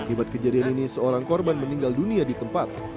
akibat kejadian ini seorang korban meninggal dunia di tempat